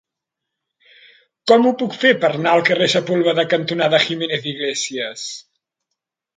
Com ho puc fer per anar al carrer Sepúlveda cantonada Jiménez i Iglesias?